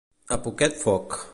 A poquet foc.